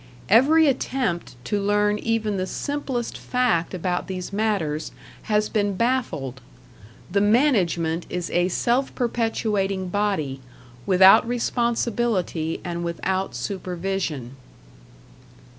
Every attempt to learn even the simplest fact about these matters has been baffled. The management is a self perpetuating body, without responsibility and without supervision.